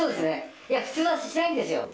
いや、普通はしないんですよ。